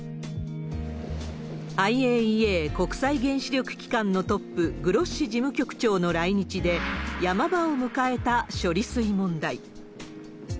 ＩＡＥＡ・国際原子力機関のトップ、グロッシ事務局長の来日で、ヤマ場を迎えた処理水問題。